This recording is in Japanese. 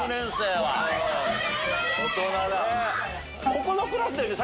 ここのクラスだよね？